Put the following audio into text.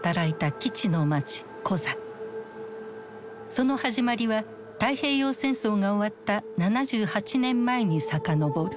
その始まりは太平洋戦争が終わった７８年前に遡る。